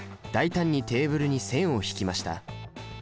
大胆にテーブルに線を引きました。